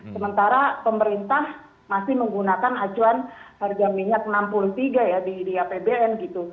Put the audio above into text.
sementara pemerintah masih menggunakan acuan harga minyak enam puluh tiga ya di apbn gitu